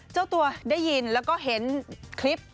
เจ้าตัวได้ยินแล้วก็เห็นคลิป